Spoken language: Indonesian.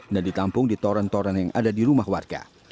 dan ditampung di toren toren yang ada di rumah warga